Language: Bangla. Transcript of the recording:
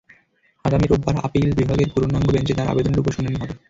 আগামী রোববার আপিল বিভাগের পূর্ণাঙ্গ বেঞ্চে তাঁর আবেদনের ওপর শুনানি হবে।